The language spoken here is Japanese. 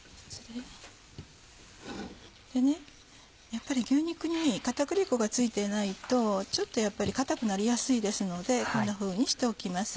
やっぱり牛肉に片栗粉がついていないとちょっと硬くなりやすいですのでこんなふうにしておきます。